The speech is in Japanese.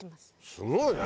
すごいね。